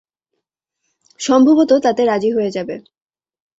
সম্ভবত তাতে রাজি হয়ে যাবে।